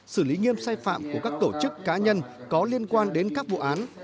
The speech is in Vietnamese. xử lý nghiêm sai phạm của các tổ chức cá nhân có liên quan đến các vụ án